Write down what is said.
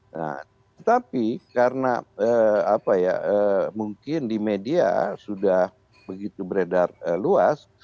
nah tetapi karena apa ya mungkin di media sudah begitu beredar luas